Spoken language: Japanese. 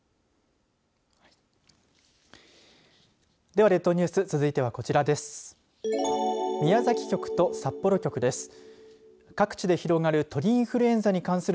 では列島ニュース続いてはこちらです。